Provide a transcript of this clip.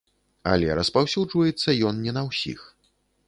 Але распаўсюджваецца ён не на ўсіх.